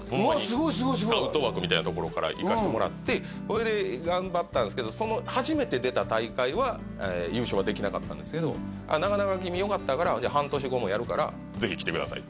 すごいすごいスカウト枠みたいなところから行かしてもらってそれで頑張ったんですけど初めて出た大会は優勝はできなかったんですけど「なかなか君よかったから半年後もやるからぜひ来てください」